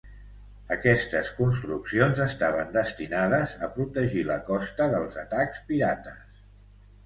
Aquestes construccions estaven destinades a protegir la costa dels atacs pirates.